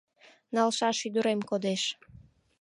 Налшаш ӱдырем кодеш.